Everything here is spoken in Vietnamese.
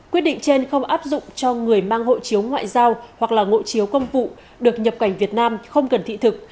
quyết định trên không áp dụng cho người mang hộ chiếu ngoại giao hoặc là hộ chiếu công vụ được nhập cảnh việt nam không cần thị thực